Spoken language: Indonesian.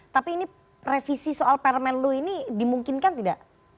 tapi ini revisi soal permen lu ini dimungkinkan tidak